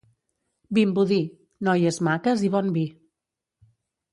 Vimbodí: noies maques i bon vi.